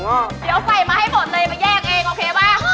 เดี๋ยวใส่มาให้หมดเลยมาแยกเองโอเคป่ะ